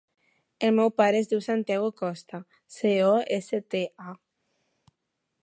El meu pare es diu Santiago Costa: ce, o, essa, te, a.